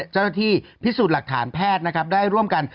เจ้าที่พิสุทธิ์หลักฐานแพทย์และได้ร่วมกัน